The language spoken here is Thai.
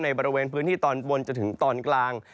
บริเวณพื้นที่ตอนบนจนถึงตอนกลาง